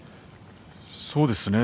そうですね